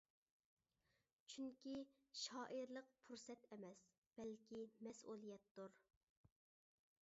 چۈنكى، شائىرلىق پۇرسەت ئەمەس، بەلكى مەسئۇلىيەتتۇر.